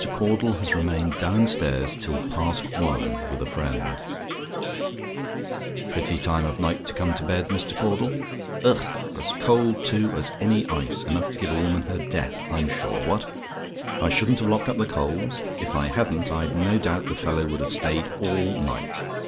CAUDLE HAS REMAINED DOWNSTAIRS TILL PAST ONE, WITH A FRIEND "Pretty time of night to come to bed, Mr. Caudle. Ugh! As cold, too, as any ice. Enough to give any woman her death, I'm sure. What! "I SHOULDN'T HAVE LOCKED UP THE COALS? "If I hadn't, I've no doubt the fellow would have stayed all night.